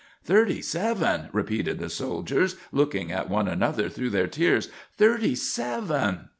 "Thirty seven!" repeated the soldiers, looking at one another through their tears. "Thirty seven!"